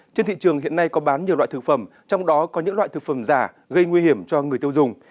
trên thị trường hiện nay có bán nhiều loại thực phẩm trong đó có những loại thực phẩm giả gây nguy hiểm cho người tiêu dùng